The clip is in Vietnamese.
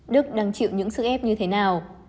đức đang chịu những sức ép như thế nào